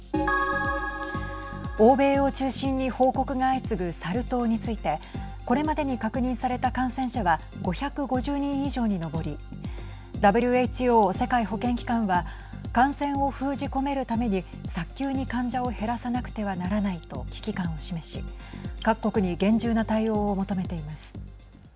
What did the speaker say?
欧米を中心に報告が相次ぐサル痘についてこれまでに確認された感染者は５５０人以上に上りＷＨＯ＝世界保健機関は感染を封じ込めるために早急に患者を減らさなくてはならないと危機感を示し、各国に厳重な対応を求めています。